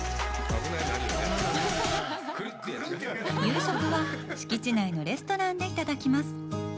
夕食は敷地内のレストランでいただきます。